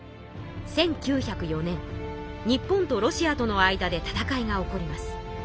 日本とロシアとの間で戦いが起こります。